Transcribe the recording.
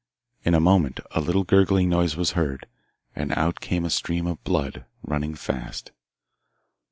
In a moment a little gurgling noise was heard, and out came a stream of blood, running fast.